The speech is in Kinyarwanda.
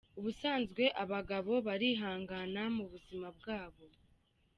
Ubusanzwe abagabo barihangana mu buzima bwabo.